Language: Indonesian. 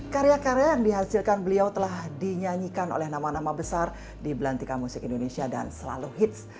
karya karya yang dihasilkan beliau telah dinyanyikan oleh nama nama besar di belantika musik indonesia dan selalu hits